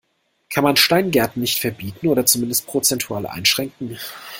Kann man Steingärten nicht verbieten, oder zumindest prozentual einschränken?